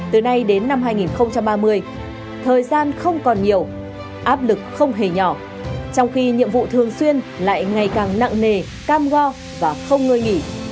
từ nay đến năm hai nghìn ba mươi thời gian không còn nhiều áp lực không hề nhỏ trong khi nhiệm vụ thường xuyên lại ngày càng nặng nề cam go và không ngơi nghỉ